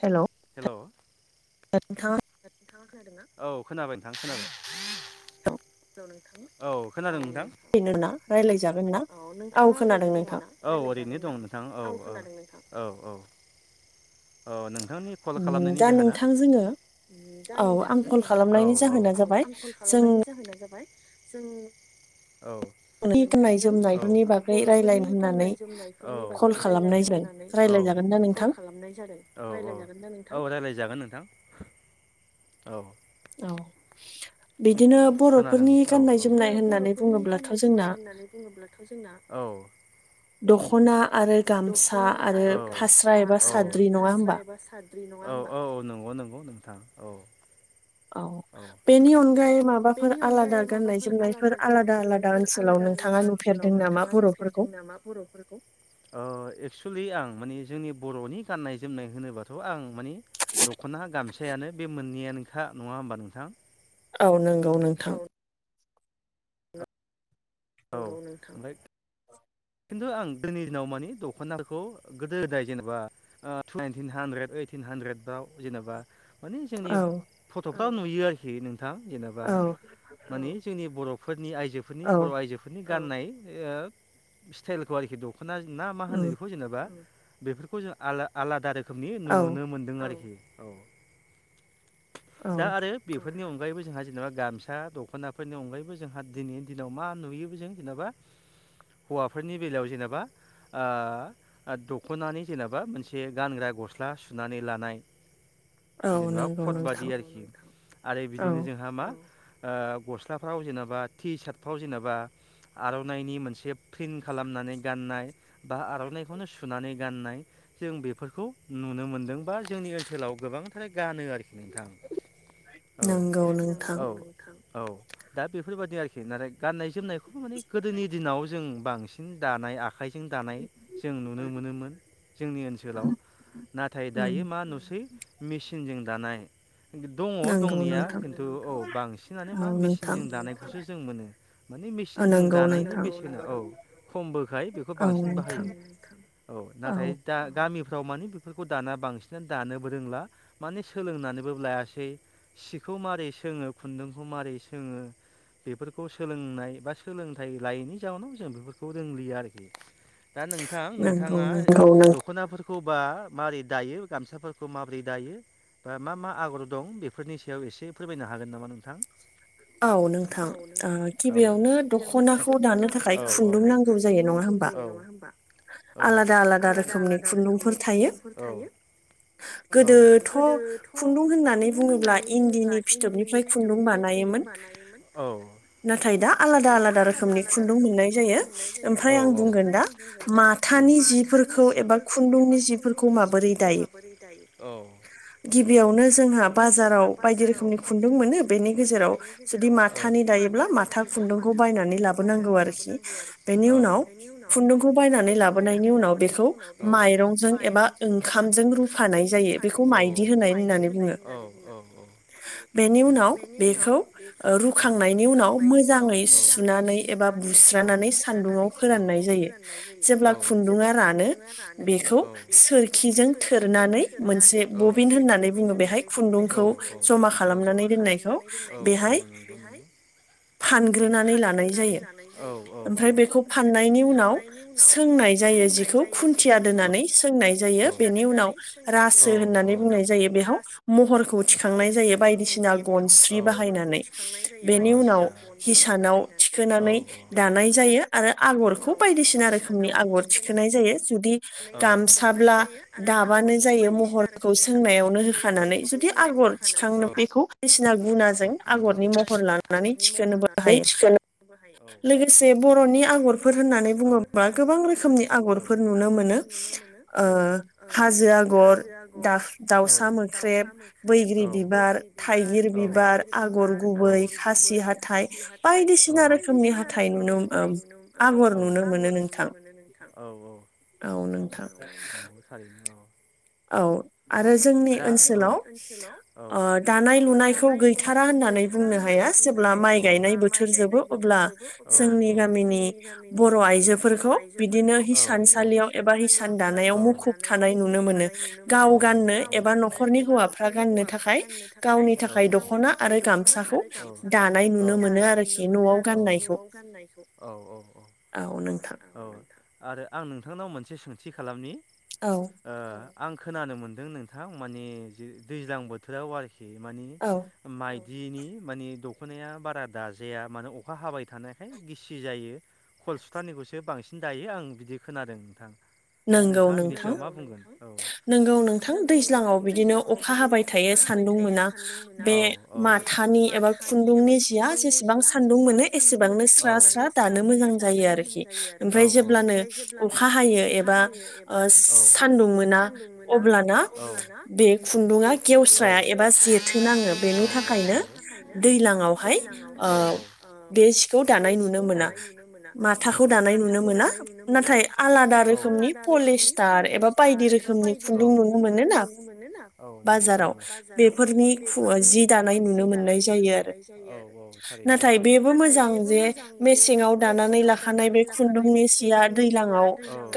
हेल' [unintelligible] नोंथाङा खोनादोंना? औ खोनाबाय नोंथां खोनाबाय हेल नोंथां औ खोनादों। बिनोना राय औ नोंथाङा ओरैनो दङ ना औ ओरैनो दङ नोंथाङा औ औ औ औ अ नों दा नोंथां जोङो दा नोंथां जोङो औ औ आं कल खालामनायनि जाहोन जोंनि औ नोंथांजों औ बर'फोरनि गाननाय औ जोमनाय बै रायज्लायनो होननानै औ कल खालामनाय जादों औ औ रायलाय जागोन ना नोंथां औ रायलाय जागोन नोंथां। औ औ बिदिनो बर'फोरनि गाननाय जोमनाय होननानै बुङोब्लाथ' जोंना दख' दखना आरो गामसा आरो फास्रा एबा साद्रि नङा औ औ नंगौ नंगौ औ नोंथां औ औ बेनि अनगायै माबाफोर आलादा गाननाय जोमनायफोर आलादा आलादा ओनसोलावनो गोदान सोलाव नोंथाङा नुफेरदो नामा बर'फोरखौ एक्सुलि आं माने जोंनि बर'नि गाननाय जोमनाय होनोबाथ' आं माने दख'ना गामसायानो बे मोननैयानोखा नङा होमबा औ नंगौ नोंथां। औ लाइ [unintelligible] खिन्थु आं दिनैनि दिनाव मानि दख'नाखौ गोदो गोदाय जेनेबा अ थु नाइनटिन हानद्रेद ओइटिन हानड्रेद बाव जेनेबा मानि जोंनि फथ'फ्रा नुयो आरोखि नोंथां जेनेबा मानि जोंनि बर' फोरनि आइजोफोरनि बर' आइजोफोरनि गाननाय ओ स्टाइलखौ आरखि दख'ना ना मा होनो बेखौ जेनेबा बेफोरखौ जोंआला- आलादा रो रोखोमनि नुनो मोनदों आरोखि औ दा आरो बेफोरनि अनग अनगायैबो जोंहा जेनेबा गामसा दख'नाफोरनि अनगायैबो जोंहा दिनैनि दिनाव मा नुयोबो जों जेनेबा [inaudible] हौवाफोरनि बेलायाव जेनेबा अ दख'नानि जेनेबा मोनसे गानग्रा गस्ला सुनानै लानाय जेनेबा फट बादि आरोखि आरो बिदिनो जोंहा मा अ गस्लाफ्राव जेनेबा टि सार्टफ्राव जेनेबा आर'नाइनि मोनसे प्रिन खालामनानै गाननाय बा आर'नाइखौनो सुनानै गाननाय जों बेफोरखौ नुनो मोनदों बा जोंनि ओनसोलाव गोबांथार गानो आरोखि नोंथां औ औ औ दा बेफोरबायादि आरोखि ना राय गाननाय जोमनायखौ गोदोनि दिनाव जों बांसिन दानाय आख आखाइजों दानाय जों नुनो मोनोमोन जोंनि ओनसोलाव नाथाय दायो मा नुसै मेचिनजों दानाय दङ दंनिया खिन्थु औ बांसिनानो मा मेसििनजों दानायखौसो जों मोनो माने मेचिन जों दानायनि बेसेना औ खमबोखाय बेखौ बांसिन बाहायो औ नाथाय दा गामि फोराव माने बेफोरखौ दाना बांसिनानो दानोबो रोंला माने सोलोंनानैबो लायासै सग खौ मारै सोङो खुन्दुंखौ मारोरै सोङो? बेफोरखौ सोलोंनाय बा सोलोंथाइ लायैनि यावनो बेफोरखौ रोंलियो आरोखि दा नोंथां नोंथाङा दख'नाफोरखौ खौबा माबारोरै दायो गामसाफोरखौ माबोरै दायो बा मा मा आगर दं बेफोरनि सायाव एसे फोरमायनो हागोन नामा नोंथां? औ नोंथां अ गिबियावनो दख'नाखौ दख'नाखौ दानो थाखाय खुन्दुं नांगौ जायो नङा होमबा औ आलादा-आलादा रोखोमनि खुन्दुंफोर औ थायो। औ गोदोथ' खुन्दुं होननानै बुङोब्ला इन्दिनि फिथोबनिफ्राय खुन्दुं बानाय औ। नाथाय दा आलादा आलाद खुन्दुं मोननाय जायो मफ्राय आं बुंगोन दा माथानि जिफोरखौ एबा खुन्दुंनि खुन्दुंनि जिफोरखौ माबोरै दायो औ। गिबियावनो जोंहा बाजाराव बायदि रोखोमनि खुन्दुं मोनो बेनि गेजेराव। जुदि माथानि दायोब्ला माथा खुन्दुंखौ बायनानै लाब खौ नांगैआरखि बेनिउनाव फुनदुंखौ बायनानै लाबोनायनि उनाव बेखौ माय माइरंजों एबा ओंखामजों रुफानाय जायो औ बेखौ माइदि औ औ होनाय होना बुङो बेनि उनाव बेखौ रुखांनायनि उनाव मोजाङै सुनानै एबा बुस्रानानै सान्दुंङाव फोराननाय जायो जेब्ला खुन्दुङा रानो बेखौ सोरखिजों थोरनानै मोनसे बबिन होननानै बुङो बेहाय खुन्दुंखौ जमा खालामनानै दोननायखौ बेहाय फानग्रोनानै लानाय जायो। ओमफ्राय बेखौ फाननायनि उनाव सोंनाय जायो जिखौ खुन्थिया दोननानै नोंनाय जायो बेनि उनाव राज होननानै बुंनाय जायो बेहाव महर'खौ थिखांनाय जायो बायदिसिना गनस्रि बाहायनानै बेनि उनाव हिसानाव थिखोनानै दानाय जायो आरो आगरखौ बायदिसिना रोखोमनि आगर थिखोनाय जायो जुदि गामसाब्ला दाबानो जायो महरखौ सोंनायावनो होखानानै जुदि आगर थिखांनो बेखौ सिना गुनाजों आगरनि महर लानानै थिखोनोबो हायो लोगोसे बर'नि आगरफोर होननानै बुङोब्ला गोबां रोखोमनि आगरफोर नुनो मोनो। ओ हाजो आगर दा दाउसा मोख्रेब बैग्रि बिबार थाइगिर बिर बिबार आगर गुबै खासि हाथथाय बायदिसिना रोखोमनि हाथथाय नुनो औ आगर नुनो मोनो नोंथां औ औ औ नोंथां औ आरो जोंनि ओनसोलाव अ दानाय लुनाय खौ गैथारा होननानै बुंनो हाया जेब्ला माइ गायनाय बोथोर जबो अब्ला जोंनि गा- गामिनि बर' आइजोफोरखौ बिदिनो हिसानसालियाव एबा हिसान दानायाव मुखुब नाय नुनो मोनो गाव गाननो एबा न'खरनि हौवाफ्रा गाननो थाखाय गावनि औ गावनि थाखाय दख'ना आरो औ गामसाखौ औ दानाय नुनो मोनो औ आरोखि न'आव गाननायखौ औ औ औ औ नोंथां। आरो आं नोंथांनाव मोनसे सोंथि खालामनि। ओ आं खोनानो मोन्दों नोंथां माने दैज्लां बोथोराव आरोखि मानिे माइ जिनि मानि दख'नाया बारा दाजाया मानो अखा हाबाय थानायखाय गिसि जायो खल सुथानिखौसो बांसिन दायो आं बिदि खोनादों नोंथां दा नोंथाङा बिनि सायाव मा बुंगोन नोंगौ नोंथां दैज्लाङाव बिदिनो अखा हाबाय थायो सान्दुं मोना बे माथानि एबा खुन्दुंनि जिया जेसेबां सान्दुं मोनो एसेबांनो स्रां। मा स्रा दानो मोजां जायो आरोखि इमफाय जेब्लाबो अखा हायो एबा ओ। औ अब्लाना बे खुन्दुंङा गेवस्रााया एबा- जेथो नाङो बेनि थाखायनो दैलाङाव हाय ओ बे सिखौ। दानाय नुनो मोना माथाखौ दानाय नुनो मोना नाथाय आलादा रोखोमनि फल प'लिसतार एबा बायदि रोखोमनि- बायदि रोखोमनि खुन्दुं नुनो मोनोना बाजाराव। औ नंगौ थारैनो। बेफोरनि ख जि दानाय नुनो मोननाय जायो औ थारैनो नाथाय बेबो मेसेंङाव दानानै लाखानाय बे खुन्दुं मेसिया दै्लाांङाव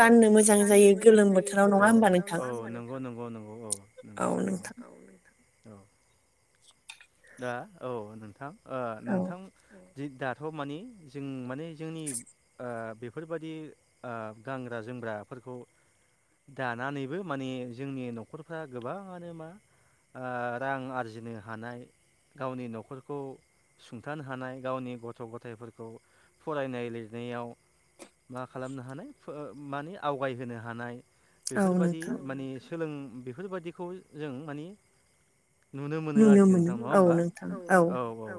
गाननो मोजां जायो। गोमोथोराव नङा होमबा नोंथां औ नंगौ! नंगौ नंगौ औ नंगौ! थारैनो औ! दा औ नोंथां नोंथां- दाथ' मानि जों माने जोंनि बेफोरबायाददि गानग्राजों सोंग्राफोरखौ दानानैबो माने जोंनि न'खरफ्रा गोबाङानो मा! ओ रां आरजिनो हानाय गावनि न'खरखौ। सुंथानो हानाय गावनि गथ' गथायाइफोरखौ फरायनाय लिरनायाव मा खालामनो हानाय मानि आवगायहोनो हानाय बेफोरबादि माने सोलों बेफोरबायाददिखौ जों माने नुनो मोनो आरोखि औ नोंथां औ औ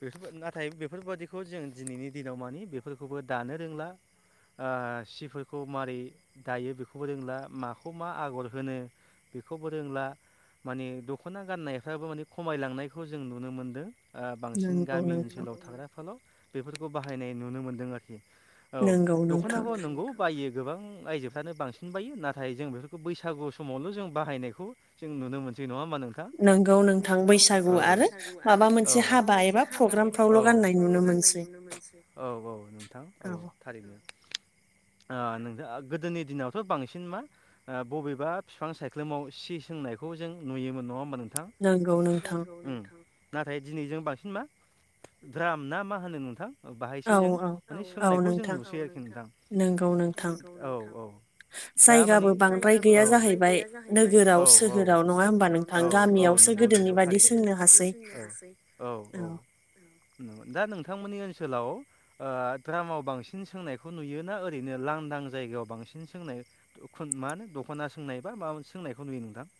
बेफोर नाथाय बेफोरबादिखौ जों दिनैनि दिनाव मानि बेफोरखौबो दानो रोंला- सिफोरखौ मारै दायो बेखौबो रोंला माखौ मा आगर होनो बेखौबो रोंला माने दख'ना गाननायफ्राबो माने। खमायलांनायखौ जों नुनो मोनदों बांसिन गामि ओनसोलाव थाग्राफोराल' बेफोरखौ बाहायनाय नुनो मोनदों आरोखि औ दख'नाखौ नंगौ बायो गोबां आइजोफ्रानो बांसिन बायो नाथाय जों बेफोरखौ बैसागु समावल' जों बाहायनायखौ जों नुनो मोनसै नङा होमबा? नोंगौ नों- नोंगौ नोंथां बैसागु आरो माबा मोनसे हाबा एबा प्रग्रामफ्रावल' गाननाय नुनो मोनसै औ -औ नोंथां औ थारैनो। [inaudible] नोंथां गोदोनि दिनावथ' बांसिन मा बबेबा बिफां सायख्लुमाव सि सों नायखौ जों नुयोमोन नङा होमबा नोंथां? नौगौ- नाथाय दिनैजों बांसिन मा द्राम ना मा होनो नोंथां? बाहायसो जों माने सोंनायखौ जों नुसै आरोखि नोंथां औ औ दा मानि। जायगाब्राय गैया जाहैबाय औ सोहोराव औ औ! औ औ दा नोंथां थां मोननि ओनसोलाव ओ द्रामाव बांसिन सोंनायखौ नुयोना ओरैनो लांदां जायगायाव बांसिन। सोंनाय, मा होनो दख'ना सोंनाय बा माबा मोनसे सोंनायखौ नुयो नोंथां-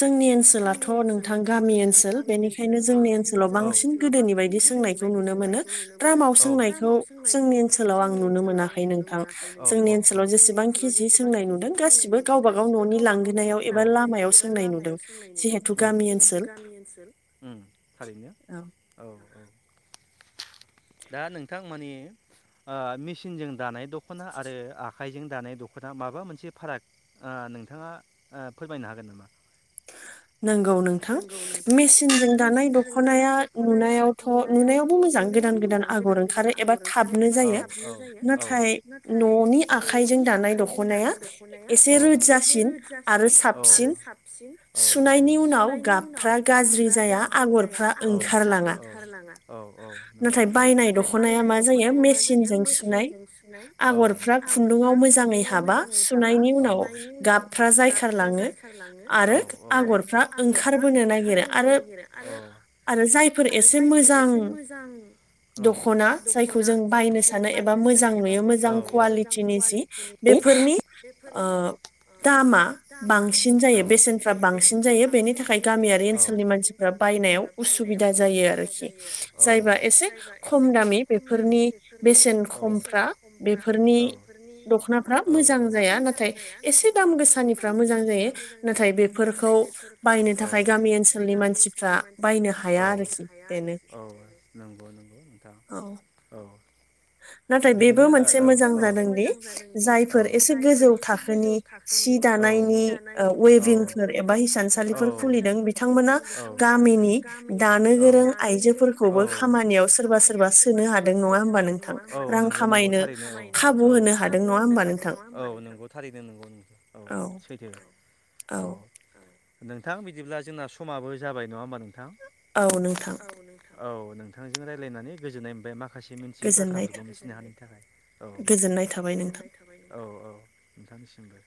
जोंनि ओनसोलाथ' नों। गामि ओनसोल बेनिखायनो जोंनि ओनसोलाव बांसिन गोदोनि बायदि सोंनायखौ नुनो मोनो द्रामा जि सोंनायखौ जोंनि ओनसोलाव आं नुनो मोनाखौ नोंथां जोंनि ओनसोलाव जेसेबांखि जि- सोंनाय नुदों गासिबो गावब गाव न'नि लांगोनायाव एबा लामायाव सोंनाय नुदों जिहेथु जिहेथु गामि। ओनसोल थारैनो औ! [inaudible] दा नोंथां माने ओ मेसिनजों दानाय दख'ना आरो आखाइजों दानाय दख'ना माबा मोनसे फाराग नोंथाङा फोरमायनो हागोन नामा नगौ नोंथां मेसिनजों दानाय दख'नाया नुनायावथ' नुनायावबो मोजां वेबो मोजां गोदान आगर ओंखारो एबा थाबनो जायो नाथाय न'नि आखाइजों दानाय दख'नाया औ एसे रोदजासिन आरो साबसिन। सुनायनि सुनायनि उनाव गाबफ्रा गाज्रि जाया आगरफ्रा ओंखारलाङा- थारैनो नाथाय बायनाय दख'नाया मा जायो मेसिनजों सुनाय औ आगरफ्रा खुन्दुङाव मोजाङै हाबा सुनायनि उनाव गाबफ्रा जायखारलाङो आरो ओंखारबोनो नागिरो आरो आरो जायफोर एसे मोजां ओं दखना जायखौ जों बायनो सानो एबा मोजां नुयो मोजां कुवालिटिनि जि बे बेफोरनि दामा बांसिन जायो। बेसेनफ्रा बांसिन जायो- बेनि थाखाय गामियारि ओनसोलनि मानसिफ्रा बायनायाव उसुबिदा जायो आरोखि। जायबा एसे खम दामि बेफोरनि बेसेन खमफ्रा बेफोरनि। दख'नाफ्रा मोजां जाया नाथाय एसे दाम गोसानिफ्रा मोजां जायो नाथाय बेफोर नाथाय बेफोर बायनो थाखाय गामि ओनसोलनि मानसिफ्रा बायनो हाया आरोखि। बेनो- नंगौ नंगौ नोंथां औ- [inaudible] नाथाय बेबो मोनसे मोजां जादोंदि जायफोर एसे गोजौ थाखोनि सि दाग्रा- दानायनि उवेभिंफोर एबा हिसा थानसालिफोर खुलिदों बिथांमोना गामिनि दानो गोरों आइजोफोरखौबो खामानि- बिनियाव सोरबा सोरबा सोनो हादों नङा होमबा नोंथां? औ नंगौ नंगौ थारैनो औ ह औ नंगौ थारैनोगौ औ सैथो- औ नोंथां बिदिब्ला जोंना समाबो जाबाय नङा होमबा नोंथां औ नोंथां। औ नोंथांजों रायज्लायनानै गोजोननाय मोनबाय माखासे मिथियै बाथ्राफोरखौ मिथिनो हानायनि थाखाय औ गोजोननाय थाबाय। औ औ नोंथांनिसिमबो।